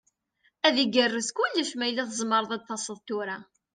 Ad igerrez kullec ma yella tzemreḍ ad d-taseḍ tura.